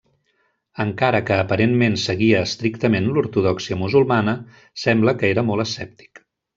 Encara que aparentment seguia estrictament l'ortodòxia musulmana, sembla que era molt escèptic.